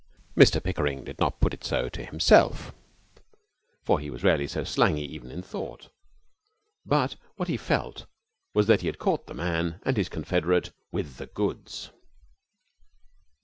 Mr Pickering did not put it so to himself, for he was rarely slangy even in thought, but what he felt was that he had caught The Man and his confederate with the goods.